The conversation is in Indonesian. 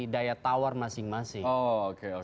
daya tawar masing masing oke oke